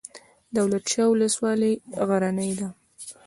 دولت شاه ولسوالۍ غرنۍ ده؟